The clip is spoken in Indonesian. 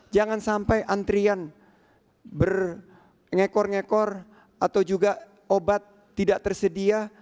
jangan sampai antrian berekor ngekor atau juga obat tidak tersedia